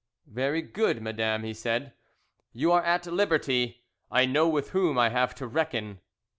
"Very good, madame," he said. "You are at liberty. I know with whom I have to reckon."